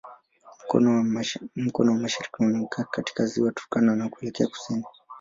Mkono wa mashariki unaonekana katika Ziwa Turkana na kuelekea kusini.